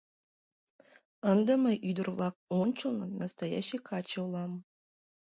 — Ынде мый ӱдыр-влак ончылно настоящий каче улам.